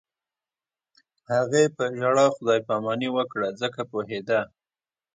هغې په ژړا خدای پاماني وکړه ځکه پوهېده